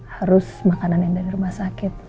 harus makanan yang dari rumah sakit